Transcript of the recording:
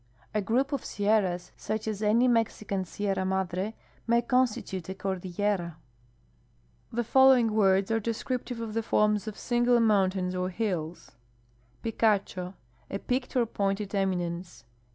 A group of sierras, such as any Mexican Sierra INladre, may constitute a cordillera. The following words are descriptive of the forms of single mountains or hills : Piritrho. —.\ peake«l or pointed eminence.